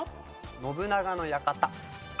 信長の館。